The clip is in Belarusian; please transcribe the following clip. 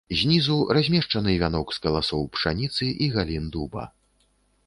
Знізу размешчаны вянок з каласоў пшаніцы і галін дуба.